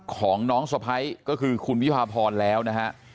ของน้องสะพ้ายก็คือคุณวิพาพรแล้วนะฮะ